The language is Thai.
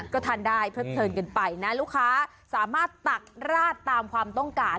ก็ทานได้เพลิดเพลินกันไปนะลูกค้าสามารถตักราดตามความต้องการ